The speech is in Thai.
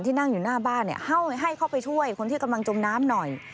นั่งอยู่หน้าบ้านให้เข้าไปช่วยคนที่กำลังจมน้ำหน่อย